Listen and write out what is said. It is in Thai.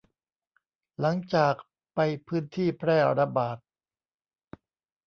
หลังจากไปพื้นที่แพร่ระบาด